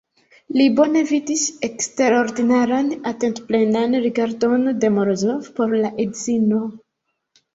Li bone vidis eksterordinaran, atentplenan rigardon de Morozov por la edzino.